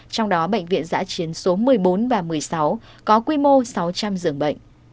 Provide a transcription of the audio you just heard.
trong đó bệnh viện giã chiến số một mươi bốn và một mươi sáu có quy mô sáu trăm linh giường bệnh